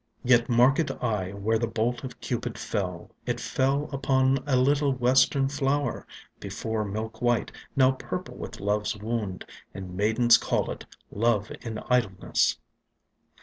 "Yet mark'd I where the bolt of Cupid fell: It fell upon a little western flower, — Before milk white: now purple with love's wound, And maidens call it Love in idleness."